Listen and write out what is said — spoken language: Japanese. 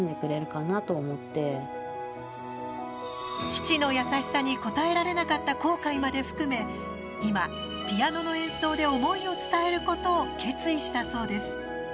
父の優しさに応えられなかった後悔まで含め今、ピアノの演奏で思いを伝えることを決意したそうです。